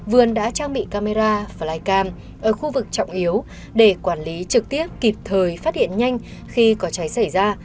vườn đã trang bị camera ở khu vực trọng yếu để quản lý trực tiếp kịp thời phát hiện nhanh khi có cháy xảy ra